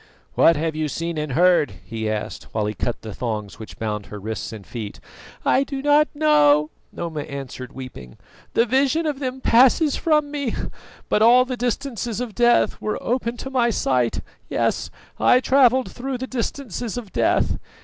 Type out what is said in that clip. "What have you seen and heard?" he asked, while he cut the thongs which bound her wrists and feet. "I do not know," Noma answered weeping; "the vision of them passes from me; but all the distances of death were open to my sight; yes, I travelled through the distances of death.